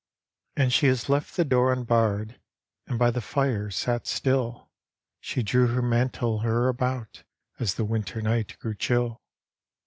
And she has left the door unbarred, And by the fire sat still ; She drew her mantle her about As the winter night grew chill.